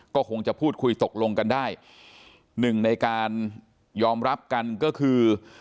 ก็คงจะพูดคุยตกลงกันได้หนึ่งในการยอมรับกันก็คือ